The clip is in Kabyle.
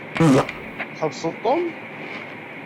Tḥebseḍ Tom?